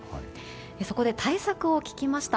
そこで対策を聞きました。